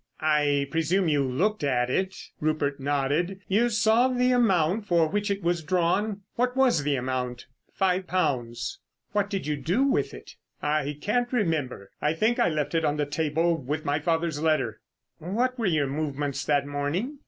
"I presume you looked at it?" Rupert nodded. "You saw the amount for which it was drawn? What was the amount?" "Five pounds." "What did you do with it?" "I can't remember. I think I left it on the table with my father's letter." "What were your movements that morning?"